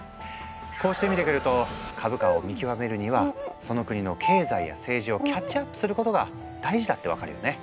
こうして見てくると株価を見極めるにはその国の経済や政治をキャッチアップすることが大事だって分かるよね。